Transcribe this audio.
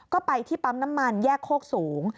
ก็ไปที่ปั๊มน้ำมันแยกโคกสูง